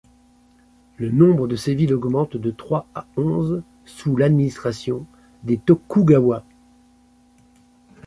Le nombre de ces villes augmente de trois à onze sous l'administration des Tokugawa.